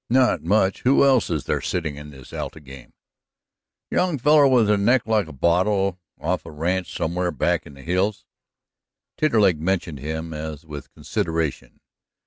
"Not much. Who else is there sitting in this Alta game?" "Young feller with a neck like a bottle, off of a ranch somewhere back in the hills." Taterleg mentioned him as with consideration.